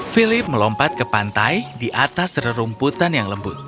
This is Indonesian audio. philip melompat ke pantai di atas rerumputan yang lembut